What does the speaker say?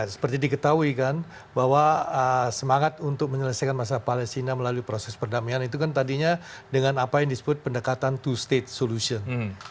seperti diketahui kan bahwa semangat untuk menyelesaikan masalah palestina melalui proses perdamaian itu kan tadinya dengan apa yang disebut pendekatan to state solution